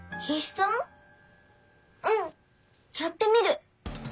うんやってみる。